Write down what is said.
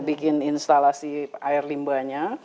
bikin instalasi air limbahnya